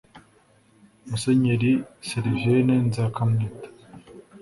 Musenyeri Servilien Nzakamwita